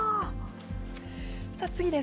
さあ、次です。